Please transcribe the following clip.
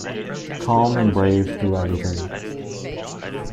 Calm and brave through everything.